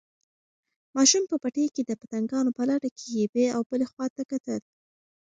ماشوم په پټي کې د پتنګانو په لټه کې یوې او بلې خواته کتل.